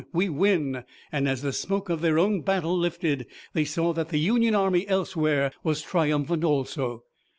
We win!" and as the smoke of their own battle lifted they saw that the Union army elsewhere was triumphant also.